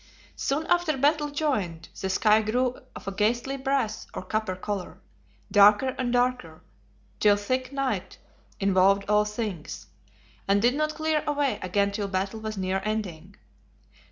Soon after battle joined, the sky grew of a ghastly brass or copper color, darker and darker, till thick night involved all things; and did not clear away again till battle was near ending.